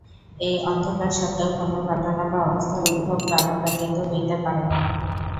এই অন্ধকার সত্ত্বেও কোন ঘটনা বা অবস্থার উদ্ভব কারণ ব্যতীত হইতে পারে না।